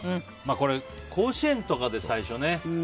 これ、甲子園とかで最初ね。